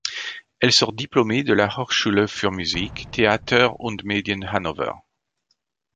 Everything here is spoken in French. Elle sort diplômée de la Hochschule für Musik, Theater und Medien Hannover.